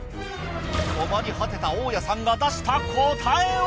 困り果てた大矢さんが出した答えは！？